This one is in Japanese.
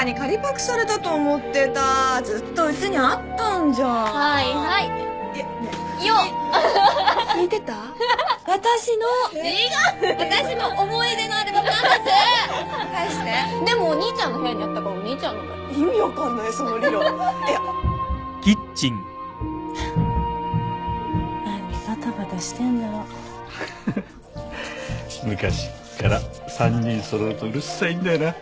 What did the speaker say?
昔っから３人揃うとうるさいんだよな。